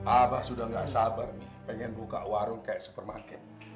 abah sudah tidak sabar nih pengen buka warung kayak supermarket